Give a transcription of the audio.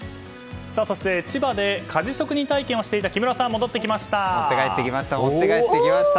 そして千葉で鍛冶職人体験をしていた木村さん持ってかえってきました！